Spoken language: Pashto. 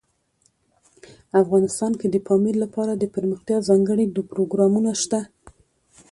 افغانستان کې د پامیر لپاره دپرمختیا ځانګړي پروګرامونه شته.